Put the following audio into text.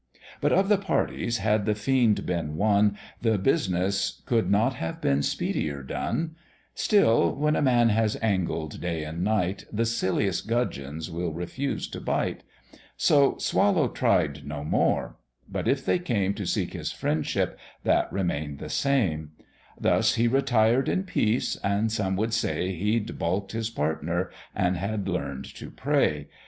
But of the parties, had the fiend been one, The business could not have been speedier done: Still when a man has angled day and night, The silliest gudgeons will refuse to bite: So Swallow tried no more: but if they came To seek his friendship, that remain'd the same: Thus he retired in peace, and some would say He'd balk'd his partner, and had learn'd to pray.